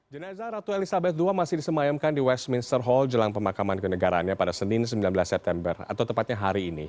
jenazah ratu elizabeth ii masih disemayamkan di westminster hall jelang pemakaman kenegaraannya pada senin sembilan belas september atau tepatnya hari ini